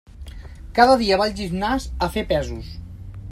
Cada dia va al gimnàs a fer pesos.